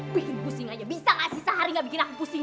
bikin pusing aja bisa gak sih sehari gak bikin aku pusing